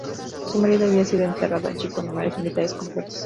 Su marido había sido enterrado allí con honores militares completos.